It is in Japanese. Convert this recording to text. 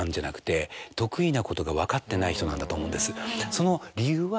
その理由は。